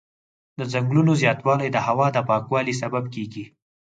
د ځنګلونو زیاتوالی د هوا د پاکوالي سبب کېږي.